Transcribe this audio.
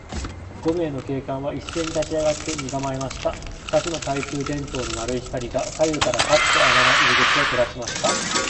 五名の警官はいっせいに立ちあがって、身がまえました。二つの懐中電燈の丸い光が、左右からパッと穴の入り口を照らしました。